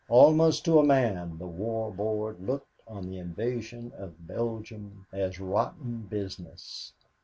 Almost to a man the War Board looked on the invasion of Belgium as rotten business.